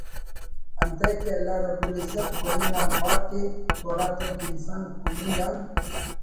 انتئے کہ اللہ رب العزت کننگ آن پاک ءِ تو ہراتم کہ انسان کننگ آن